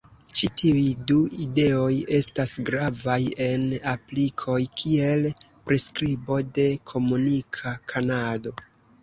Ĉi tiuj du ideoj estas gravaj en aplikoj kiel priskribo de komunika kanalo.